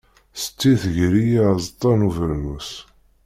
Setti tger-iyi aẓeṭṭa n ubernus.